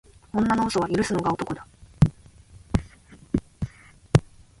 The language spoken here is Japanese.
女の嘘は許すのが男だ。